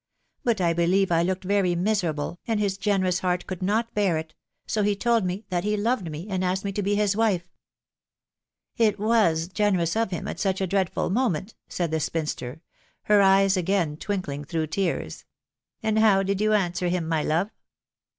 ... But I believe I looked very miserable, and his generous heart could not bear it, so he told me that he loved me, and asked me to be his wife/' " It was generous of him at such a dreadful moment," said the spinster, her eyes again twinkling through tears. ..•" And how did you answer him, my love